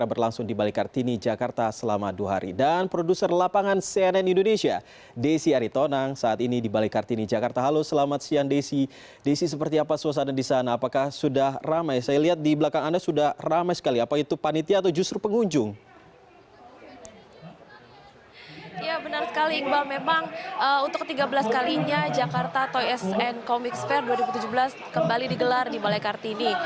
memang untuk ke tiga belas kalinya jakarta toys and comics fair dua ribu tujuh belas kembali digelar di balai kartini